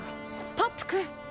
ポップくん。